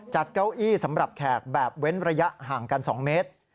เก้าอี้สำหรับแขกแบบเว้นระยะห่างกัน๒เมตร